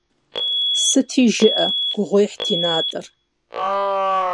Сыти жыӏэ: гугъуехьт и натӏэр.